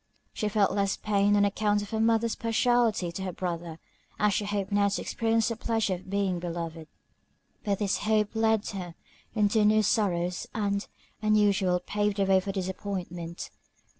She felt less pain on account of her mother's partiality to her brother, as she hoped now to experience the pleasure of being beloved; but this hope led her into new sorrows, and, as usual, paved the way for disappointment.